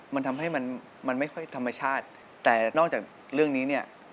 มันทำให้มันมันไม่ค่อยธรรมชาติแต่นอกจากเรื่องนี้เนี่ย